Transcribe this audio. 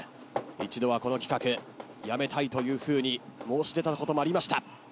一度はこの企画やめたいというふうに申し出たこともありました。